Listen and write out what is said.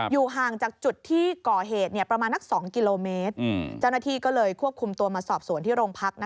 อยู่ห่างจากจุดที่ก่อเหตุเนี่ยประมาณนัก๒กิโลเมตร